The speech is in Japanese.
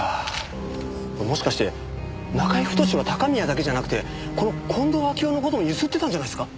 もしかして中居太は高宮だけじゃなくてこの近藤秋夫の事も強請ってたんじゃないですか？